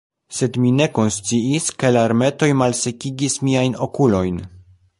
Sed mi ne konsciis, ke larmetoj malsekigis miajn okulojn.